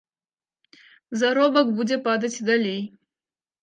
Заробак будзе падаць і далей.